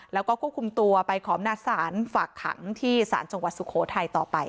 แล้วก็ควบคุมตัวไปขอบหน้าศาลฝากขังที่ศาลจังหวัดสุโขทัยต่อไป